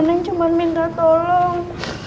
nenek cuma minta tolong